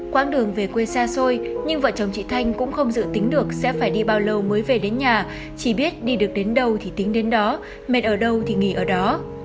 quãng đường về quê xa xôi nhưng vợ chồng chị thanh cũng không dự tính được sẽ phải đi bao lâu mới về đến nhà chỉ biết đi được đến đâu thì tính đến đó mệt ở đâu thì nghỉ ở đó